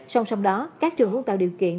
xong xong đó các trường cũng tạo điều kiện